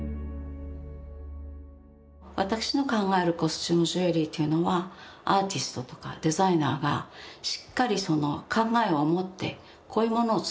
私の考えるコスチュームジュエリーというのはアーティストとかデザイナーがしっかりその考えを持ってこういうものを作りたい。